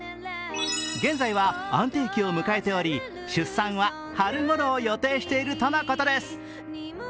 現在は安定期を迎えており出産は春ごろを予定しているとのことです。